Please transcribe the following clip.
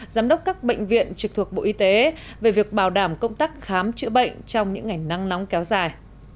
giám đốc các bệnh viện trực thuộc bộ y tế về việc bảo đảm công tác khám chữa bệnh trong những ngày nắng nóng kéo dài